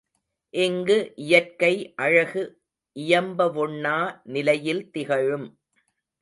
இங்கு இயற்கை அழகு இயம்பவொண்ணா நிலையில் திகழும்.